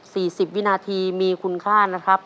สิบวินาทีมีคุณค่านะครับ